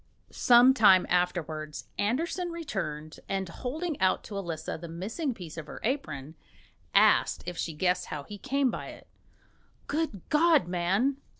Some time afterwards Andersen returned, and holding out to Elisa the missing piece of her apron, asked if she guessed how he came by it. "Good God, man!"